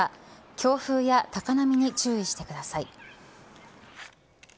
強風や高波に注意してください。